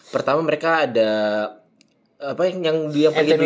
pertama mereka ada apa yang dia pilih di